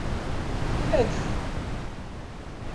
Adf!